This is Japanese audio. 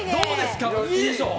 いいでしょ？